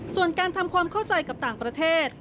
ส่วนการทำความเข้าใจกับต่างประเทศ